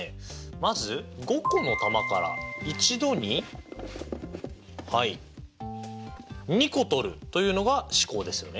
まず５個の球から一度にはい２個取るというのが試行ですよね。